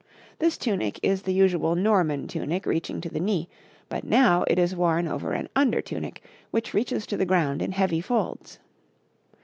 This tunic is the usual Norman tunic reaching to the knee, but now it is worn over an under tunic which reaches to the ground in heavy folds.